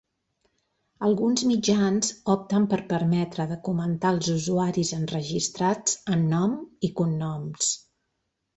Alguns mitjans opten per permetre de comentar als usuaris enregistrats amb nom i cognoms.